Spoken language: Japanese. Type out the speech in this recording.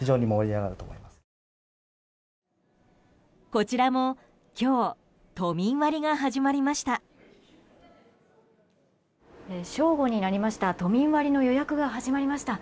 こちらも今日都民割が始まりました。